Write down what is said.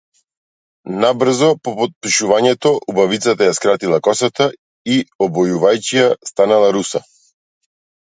Набрзо по потпишувањето, убавицата ја скратила косата и обојувајќи ја станала руса.